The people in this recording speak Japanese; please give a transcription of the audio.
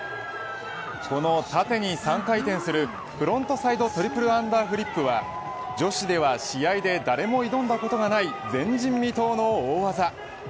この、縦に３回転するフロントサイドトリプルアンダーフリップは女子では試合で誰も挑んだことのない前人未到の大技。